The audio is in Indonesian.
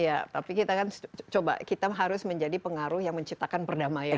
iya tapi kita kan coba kita harus menjadi pengaruh yang menciptakan perdamaian